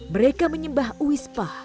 mereka menyembah uispah